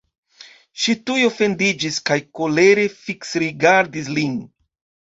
Ŝi tuj ofendiĝis kaj kolere fiksrigardis lin.